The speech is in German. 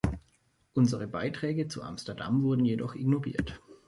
Unsere Beiträge zu Amsterdam wurden jedoch ignoriert.